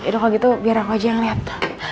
ya kalo gitu biar aku aja yang liat